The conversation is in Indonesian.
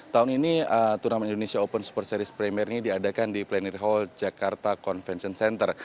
tahun ini turnamen indonesia open super series premier ini diadakan di plenary hall jakarta convention center